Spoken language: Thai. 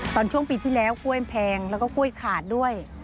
ตอนช่วงปีที่แล้วกล้วยแพงแล้วก็กล้วยขาดด้วย